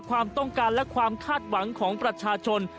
ความต้องการและความคาดหวังของประชาชน